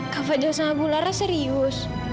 kak fadil sama bu lara serius